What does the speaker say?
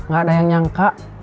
gaada yang nyangka